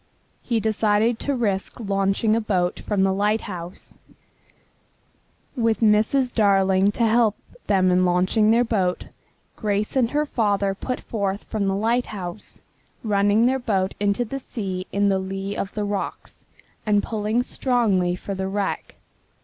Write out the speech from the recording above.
He decided to risk launching a boat from the lighthouse. With Mrs. Darling to help them in launching their boat, Grace and her father put forth from the lighthouse, running their boat into the sea in the lee of the rocks, and pulling strongly for the wreck.